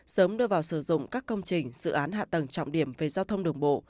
sớm đưa vào sử dụng các công trình dự án hạ tầng trọng điểm về giao thông đường bộ